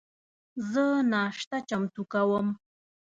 زه ناشته چمتو کوم